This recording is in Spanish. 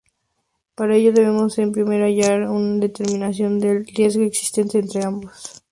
Para ello deberemos en primer lugar hallar la determinación del riesgo existente entre ambos.